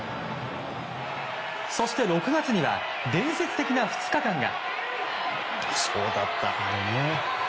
そして、６月には伝説的な２日間が。